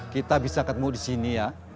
kita bisa ketemu di sini ya